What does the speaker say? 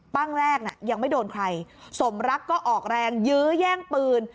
ครั้งแรกน่ะยังไม่โดนใครสมรักก็ออกแรงยื้อแย่งปืน